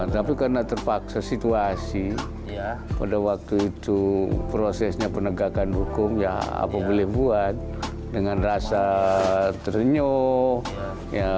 tapi karena terpaksa situasi pada waktu itu prosesnya penegakan hukum ya apa boleh buat dengan rasa terenyuh